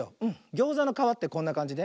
ギョーザのかわってこんなかんじね。